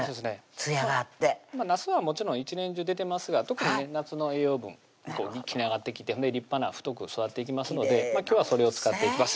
つやがあってなすはもちろん一年中出てますが特にね夏の栄養分一気に上がってきて立派な太く育っていきますので今日はそれを使っていきます